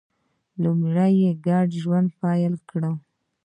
لومړی یې ګډ ژوند پیل کړ.